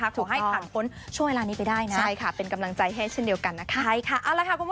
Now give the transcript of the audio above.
ถูกตอบขอให้ผ่านพ้นช่วยอาหารนี้ไปได้นะใช่ค่ะเป็นกำลังใจให้เช่นเดียวกันนะคะใช่ค่ะเอาละค่ะ